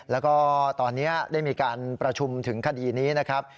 แล้วก็ตอนนี้ได้มีการประชุมถึงคดีนี้นะครับ